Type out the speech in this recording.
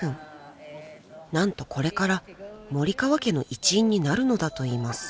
［なんとこれから森川家の一員になるのだといいます］